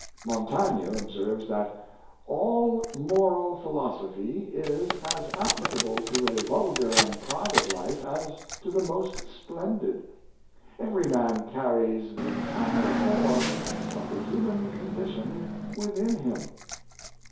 Montaigne ob serves that " all moral philosophy is as applicable to a vulgar and private life as to the most splendid. Every man carries the entire form of the human condition within him."